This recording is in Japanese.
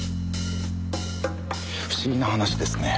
不思議な話ですね。